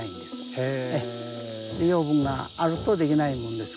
へえ！